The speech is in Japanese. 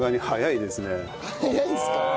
早いですか？